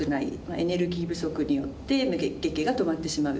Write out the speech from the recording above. エネルギー不足によって月経が止まってしまう。